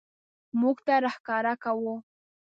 موږ ته راښکاره کاوه.